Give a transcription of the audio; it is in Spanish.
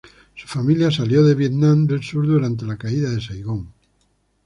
Su familia salió de Vietnam del Sur durante la caída de Saigón.